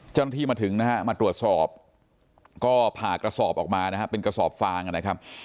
เจ้าหน้าที่มาถึงนะฮะมาตรวจสอบก็ผ่ากระสอบออกมานะฮะเป็นกระสอบฟางนะครับ